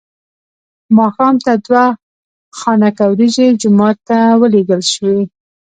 ماښام ته دوه خانکه وریجې جومات ته ولېږل شوې.